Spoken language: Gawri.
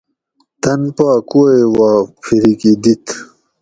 تۤن پا کُووئ وا پھریکی دِت